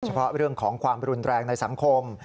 เฉพาะเรื่องของความรุนแรงในสังคม